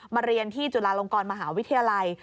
เรียนที่จุฬาลงกรมหาวิทยาลัย